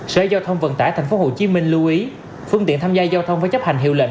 sở giao thông vận tải tp hcm lưu ý phương tiện tham gia giao thông phải chấp hành hiệu lệnh